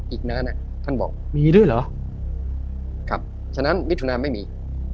อีกนานท่านบอกมีด้วยเหรอครับฉะนั้นมิถุนาไม่มี